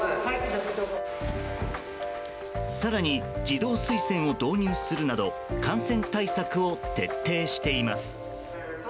更に、自動水栓を導入するなど感染対策を徹底しています。